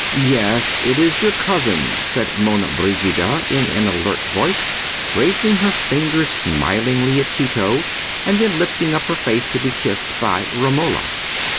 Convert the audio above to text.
"Yes, it is your cousin," said Monna Brigida, in an alert voice, raising her fingers smilingly at Tito, and then lifting up her face to be kissed by Romola.